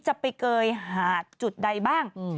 ไปเกยหาดจุดใดบ้าง